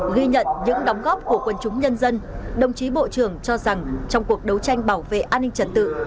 ghi nhận những đóng góp của quân chúng nhân dân đồng chí bộ trưởng cho rằng trong cuộc đấu tranh bảo vệ an ninh trật tự